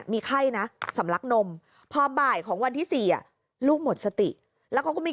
มีไข้นะสำลักนมพอบ่ายของวันที่๔ลูกหมดสติแล้วเขาก็มี